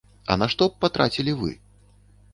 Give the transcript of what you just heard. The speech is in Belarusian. А на што б патрацілі вы?